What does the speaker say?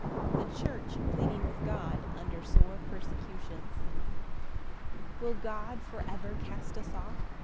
The church pleading with God under sore persecutions. 1 Will God for ever cast us off?